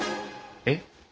えっ？